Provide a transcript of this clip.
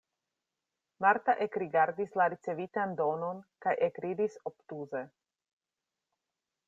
Marta ekrigardis la ricevitan donon kaj ekridis obtuze.